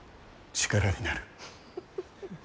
力になる。